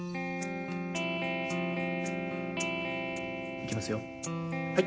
行きますよはい。